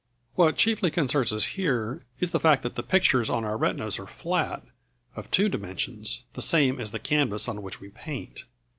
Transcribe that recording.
What chiefly concerns us here is the fact that the pictures on our retinas are flat, of two dimensions, the same as the canvas on which we paint.